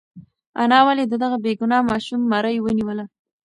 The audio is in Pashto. انا ولې د دغه بېګناه ماشوم مرۍ ونیوله؟